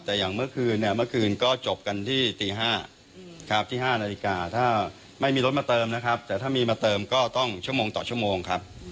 แต่ถ้ามีมาเติมก็ต้องชั่วโมงต่อชั่วโมงครับ